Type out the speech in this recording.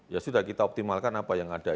ya sudah kita optimalkan apa yang ada